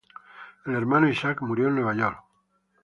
El Hermano Isaac murió en Nueva York.